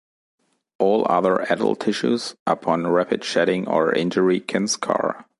All other adult tissues, upon rapid shedding or injury, can scar.